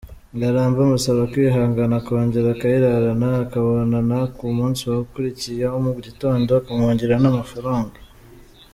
Ngarambe amusaba kwihangana akongera akayirarana, bakabonana ku munsi ukurikiyeho mu gitondo, akamwongera n’amafaranga.